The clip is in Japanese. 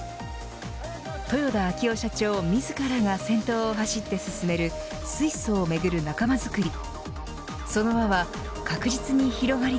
豊田章男社長みずからが先頭を走って進める水素をめぐる仲間づくり。